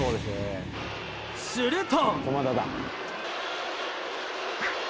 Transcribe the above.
すると。